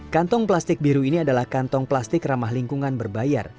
kantong plastik biru ini adalah kantong plastik ramah lingkungan berbayar